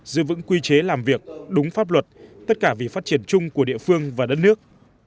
giữ vững quy chế làm việc đúng pháp luật tất cả vì phát triển chung của địa phương và đất nước